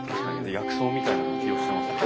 薬草みたいな色してますもんね。